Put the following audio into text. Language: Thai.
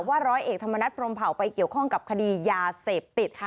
ร้อยเอกธรรมนัฐพรมเผาไปเกี่ยวข้องกับคดียาเสพติด